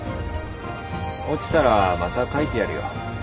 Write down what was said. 落ちたらまた書いてやるよ。